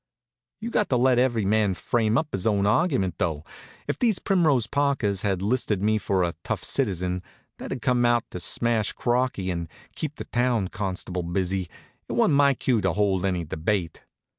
You got to let every man frame up his own argument, though. If these Primrose Parkers had listed me for a tough citizen, that had come out to smash crockery and keep the town constable busy, it wa'n't my cue to hold any debate.